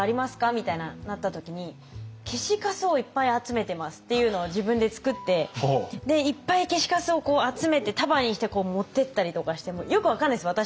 みたいななった時にっていうのを自分で作っていっぱい消しカスを集めて束にして持ってったりとかしてもうよく分かんないです私も。